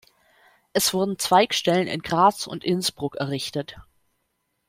Es wurden Zweigstellen in Graz und Innsbruck errichtet.